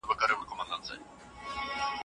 سياستپوهانو له کلونو راهيسي د قدرت تعريفونه بدلول.